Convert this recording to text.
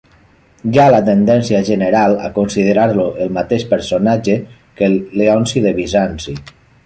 Hi ha la tendència general a considerar-lo el mateix personatge que Leonci de Bizanci.